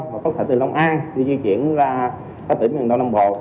hoặc có thể từ long an đi di chuyển ra các tỉnh miền đông nam bộ